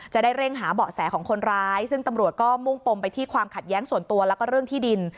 จะได้เร่งหาเบาะแสของคนร้ายซึ่งตำรวจก็มุ่งปมไปที่ความขัดแย้งส่วนตัวแล้วก็เรื่องที่ดิน